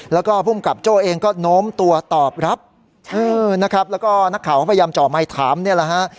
แล้วก็ภูมิกับโจ้เองก็โน้มตัวตอบรับนะครับแล้วก็นักข่าวก็พยายามเจาะไมค์ถามเนี่ยแหละฮะ